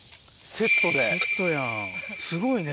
セットやんすごいね。